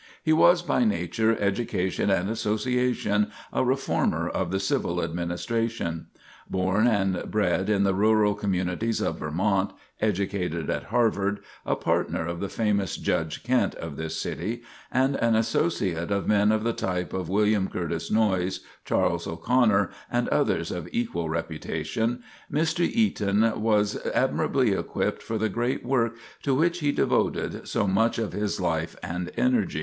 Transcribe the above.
He was by nature, education, and association a reformer of the civil administration. Born and bred in the rural communities of Vermont, educated at Harvard, a partner of the famous Judge Kent, of this city, and an associate of men of the type of William Curtis Noyes, Charles O'Conor, and others of equal reputation, Mr. Eaton was admirably equipped for the great work to which he devoted so much of his life and energies.